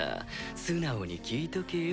素直に聞いとけよ。